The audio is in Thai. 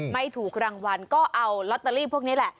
ไม่ถูกรางวัลก็เอาลอตเตอรี่พวกนี้แหละ